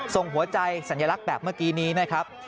ส่งหัวใจสัญลักษณ์แบบเมื่อกี้นี้นะครับ